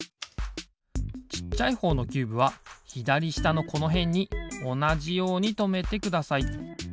ちっちゃいほうのキューブはひだりしたのこのへんにおなじようにとめてください。